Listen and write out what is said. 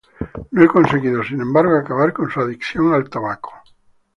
No ha conseguido, sin embargo, acabar con su adicción al tabaco.